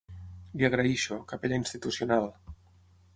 Li agraeixo, capellà institucional.